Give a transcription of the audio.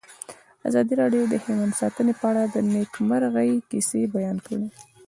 ازادي راډیو د حیوان ساتنه په اړه د نېکمرغۍ کیسې بیان کړې.